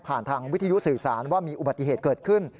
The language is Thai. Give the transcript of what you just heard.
ทางวิทยุสื่อสารว่ามีอุบัติเหตุเกิดขึ้น